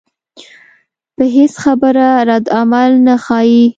پۀ هېڅ خبره ردعمل نۀ ښائي